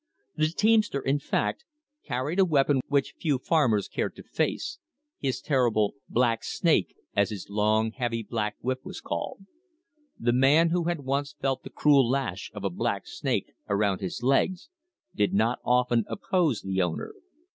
The teamster, in fact, carried a weapon which few farmers cared to face, his ter rible "black snake," as his long, heavy black whip was called. The man who had once felt the cruel lash of a "black snake" around his legs did not often oppose the owner.